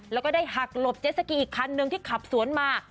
แล้วก็ได้หักหลบเจสสกีอีกคันนึงที่ขับสวนมา